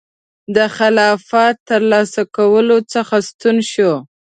د خلافت ترلاسه کولو څخه ستون شو.